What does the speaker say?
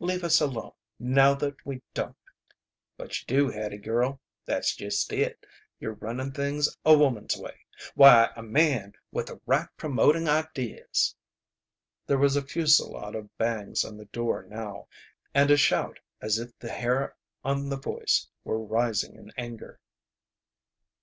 Leave us alone, now that we don't!" "But you do, Hattie girl. That's just it. You're running things a woman's way. Why, a man with the right promoting ideas " There was a fusillade of bangs on the door now, and a shout as if the hair on the voice were rising in anger.